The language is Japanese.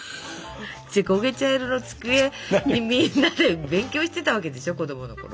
こげ茶色の机でみんなで勉強してたわけでしょ子供のころ。